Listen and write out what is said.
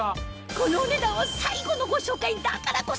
このお値段は最後のご紹介だからこそ！